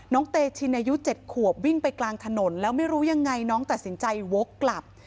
เตชินอายุ๗ขวบวิ่งไปกลางถนนแล้วไม่รู้ยังไงน้องตัดสินใจวกกลับ